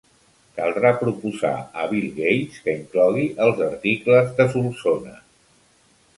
Caldrà proposar a Bill Gates que inclogui els articles de Solsona.